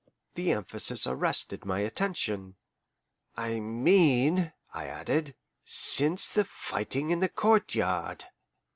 The emphasis arrested my attention. "I mean," I added, "since the fighting in the courtyard."